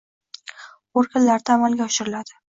organlarida amalga oshiriladi